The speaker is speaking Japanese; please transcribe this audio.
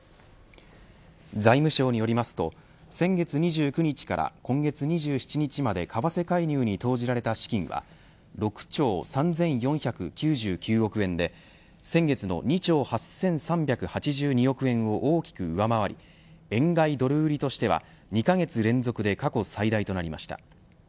財務省によりますと先月２９日から今月２７日まで為替介入に投じられた資金は６兆３４９９億円で先月の２兆８３８２億円を大きく上回り円買いドル売りとしては２カ月連続で過去最大となりました。